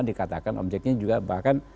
dikatakan objeknya juga bahkan